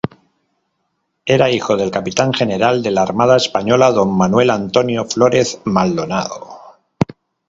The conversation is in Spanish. Era hijo del capitán general de la Armada Española Don Manuel Antonio Flórez Maldonado.